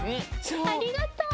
ありがとう。